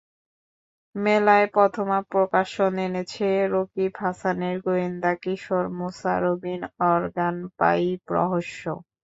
মেলায় প্রথমা প্রকাশন এনেছে রকিব হাসানের গোয়েন্দা কিশোর-মুসা-রবিন অর্গান পাইপ রহস্য।